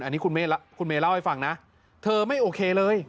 อันนี้คุณเมย์เล่าให้ฟังนะเธอไม่โอเคเลย